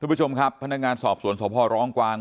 ผู้ชมครับพนักงานสอบสวนสพร้องกวาง